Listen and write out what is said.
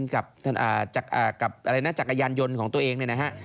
กับจักรยานยนต์ของตัวเองนะครับ